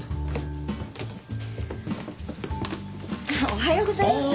おはようございます。